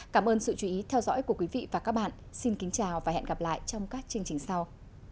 cảm ơn sự chú ý theo dõi của quý vị và các bạn xin kính chào và hẹn gặp lại trong các chương trình sau